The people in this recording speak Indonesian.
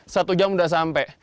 satu jam udah sampai